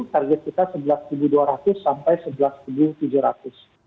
target kita sebelas dua ratus sampai sebelas tiga ratus